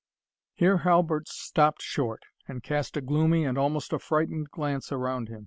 Here Halbert stopt short, and cast a gloomy, and almost a frightened glance around him.